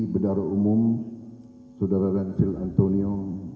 bendarat umum saudara rantil antonio